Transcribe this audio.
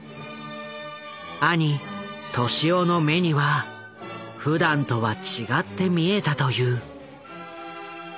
兄俊夫の目にはふだんとは違って見えたという。